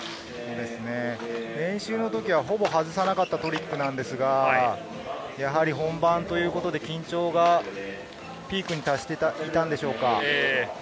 練習の時はほぼ外さなかったトリックですが、やはり本番ということで、緊張がピークに達していたのでしょうか。